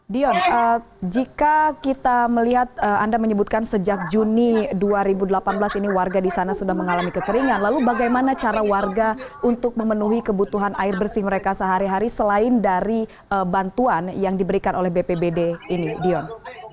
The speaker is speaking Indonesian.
dion jika kita melihat anda menyebutkan sejak juni dua ribu delapan belas ini warga di sana sudah mengalami kekeringan lalu bagaimana cara warga untuk memenuhi kebutuhan air bersih mereka sehari hari selain dari bantuan yang diberikan oleh bpbd ini dion